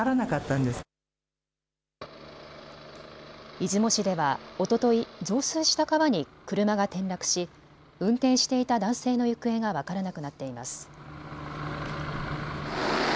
出雲市では、おととい増水した川に車が転落し運転していた男性の行方が分からなくなっています。